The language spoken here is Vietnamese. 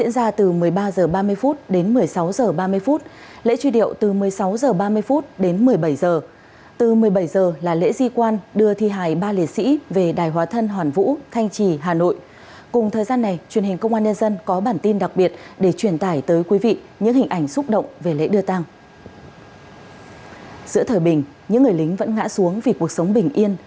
giữa thời bình những người lính vẫn ngã xuống vì cuộc sống bình yên